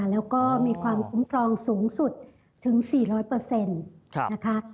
แล้วก็มีความคุ้มครองสูงสุดถึง๔๐๐นะคะ